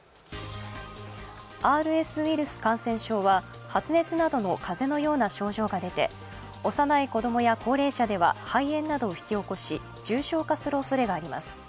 ＲＳウイルス感染症は、発熱などの風邪のような症状が出て、幼い子供や高齢者では、肺炎などを引き起こし重症化するおそれがあります。